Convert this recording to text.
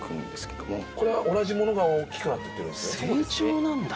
この松茸ってこれは同じものが大きくなっていってるんですね？